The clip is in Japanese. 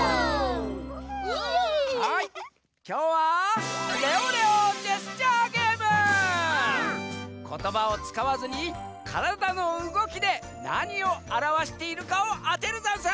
きょうはことばをつかわずにからだのうごきでなにをあらわしているかをあてるざんす！